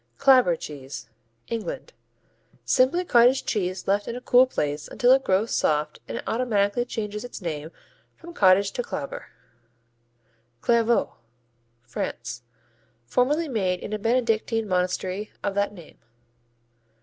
Clabber cheese England Simply cottage cheese left in a cool place until it grows soft and automatically changes its name from cottage to clabber. Clairvaux France Formerly made in a Benedictine monastery of that name.